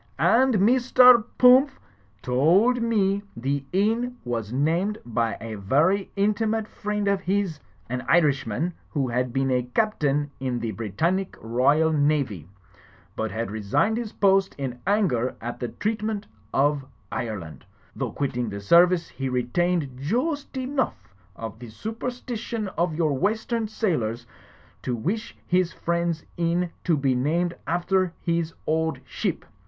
"And Mr. Pumph to old me the inn was named by a vary intimate friend of his, an Irishman who had been a Captain in the Britannic Roysl Navy, but had resigned his po ost in anger at the treatment of Ire land. Though quitting the service, he retained joost enough of the superstition of your western sailors, to wish his friend's inn to be named after his old ship.